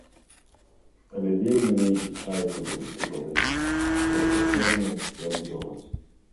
Але вельмі нейкі чай тут густы падаюць, проста чорны, як дзёгаць.